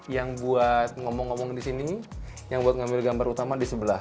yang buat ngomong ngomong di sini yang buat ngambil gambar utama di sebelah